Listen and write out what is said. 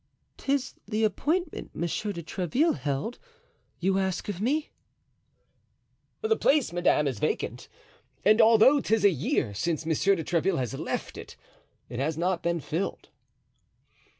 "'Tis the appointment Monsieur de Tréville held, you ask of me." "The place, madame, is vacant, and although 'tis a year since Monsieur de Tréville has left it, it has not been filled."